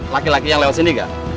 laki laki yang lewat sini enggak